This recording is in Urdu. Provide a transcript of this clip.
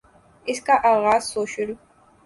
اس کا آغاز سوشل